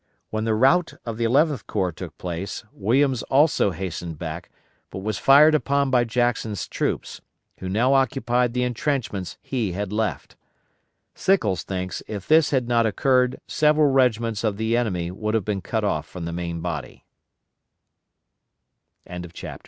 When the rout of the Eleventh Corps took place, Williams also hastened back, but was fired upon by Jackson's troops, who now occupied the intrenchments he had left. Sickles thinks if this had not occurred several regiments of the enemy would have been cut off from the main body. CHAPTER V. JACKSON'S ADVANCE IS CHECKED. The cons